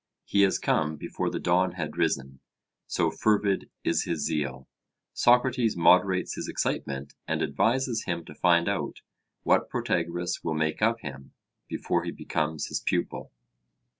He has come before the dawn had risen so fervid is his zeal. Socrates moderates his excitement and advises him to find out 'what Protagoras will make of him,' before he becomes his pupil.